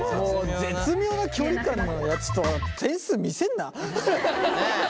絶妙な距離感のやつとは点数見せんな。